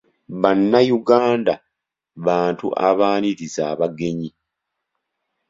Bannayuganda bantu abaaniriza abagenyi.